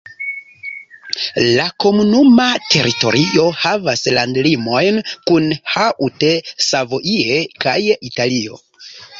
La komunuma teritorio havas landlimojn kun Haute-Savoie kaj Italio.